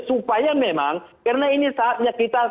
supaya memang karena ini saatnya kita